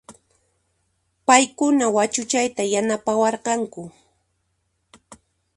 Payquna wachuchayta yanapawarqanku